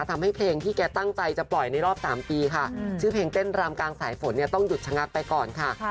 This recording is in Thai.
ทำให้เพลงที่แกตั้งใจจะปล่อยในรอบ๓ปีค่ะชื่อเพลงเต้นรำกลางสายฝนเนี่ยต้องหยุดชะงักไปก่อนค่ะ